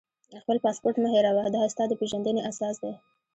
خپل پاسپورټ مه هېروه، دا ستا د پېژندنې اساس دی.